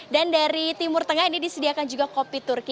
dan dari timur tengah ini disediakan juga kopi turki